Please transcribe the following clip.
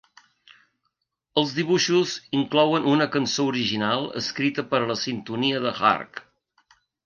Els dibuixos inclouen una cançó original escrita per a la sintonia de Hark!